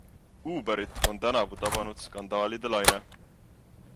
Uberit on tänavu tabanud skandaalide laine.